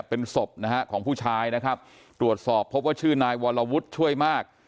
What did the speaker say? เป็นศพนะฮะของผู้ชายนะครับตรวจสอบพบว่าชื่อนายวรวุฒิช่วยมาก